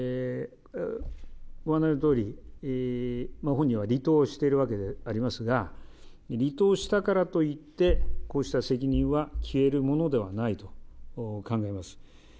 ご案内のとおり本人は離党しているわけでありますが離党したからといってこうした責任は消えるものではないと考えます。